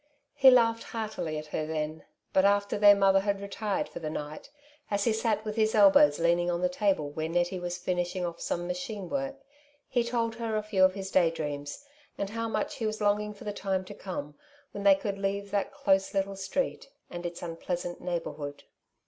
He laughed heartily at her then, but after their mother had retired for the night, as he sat with his elbows leaning on the table where Nettie was finishing oflf some machine work, he told her a few of his day dreams, and how much he was longing for the time to come when they could leave that close little street and its unpleasant neighbourhood.